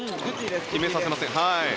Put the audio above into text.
決めさせません。